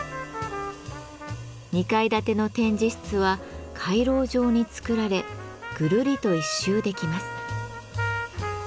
２階建ての展示室は回廊状に造られぐるりと１周できます。